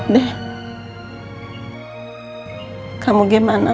deh kamu gimana